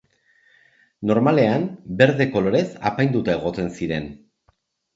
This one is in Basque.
Normalean, berde kolorez apainduta egoten ziren.